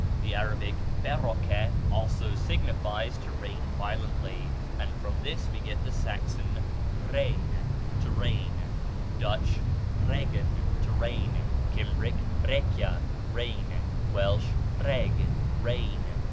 The Arabic baraka also signifies to rain violently; and from this we get the Saxon roegn, to rain, Dutch regen, to rain, Cimbric roekia, rain, Welsh rheg, rain.